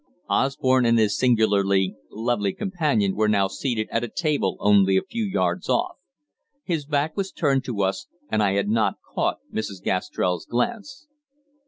Osborne and his singularly lovely companion were now seated at a table only a few yards off. His back was turned to us, and I had not caught Mrs. Gastrell's glance.